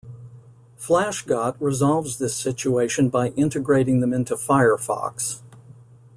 FlashGot resolves this situation by integrating them into Firefox.